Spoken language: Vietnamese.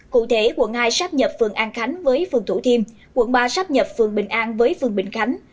cụ thể quận hai sắp nhập phường an khánh với phường thủ thiêm quận ba sắp nhập phường bình an với phường bình khánh